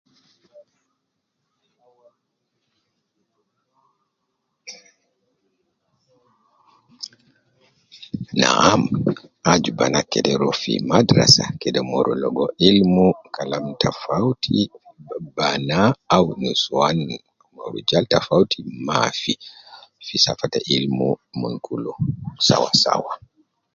Na am aju bana kede rua fi madrasa kede mon rua ligo ilim kalam tafauti bana au nusuwan eh rujal tafauti mafi fi safa ta ilmu mon kulu sawa sawa